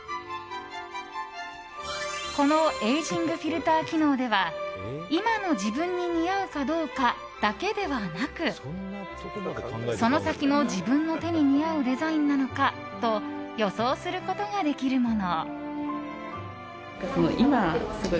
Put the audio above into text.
このエイジングフィルター機能では今の自分に似合うかどうかだけではなくその先の自分の手に似合うデザインなのかと予想をすることができるもの。